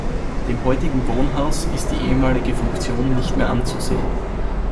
Dem heutigen Wohnhaus ist die ehemalige Funktion nicht mehr anzusehen.